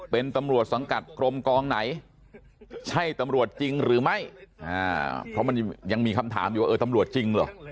เป็นตำรวจสังกัดกรมกองไหนใช่ตำรวจจริงหรือไม่เพราะมันยังมีคำถามอยู่ว่าเออตำรวจจริงเหรอ